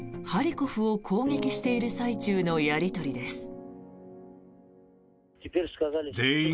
ハリコフを攻撃している最中のやり取りです。